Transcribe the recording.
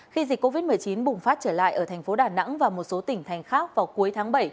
khi dịch covid một mươi chín bùng phát trở lại ở thành phố đà nẵng và một số tỉnh thành khác vào cuối tháng bảy